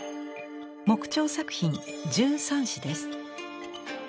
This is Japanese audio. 木彫作品「十三支」です。